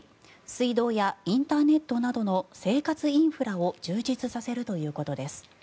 水道やインターネットなどの生活インフラを充実させるということです。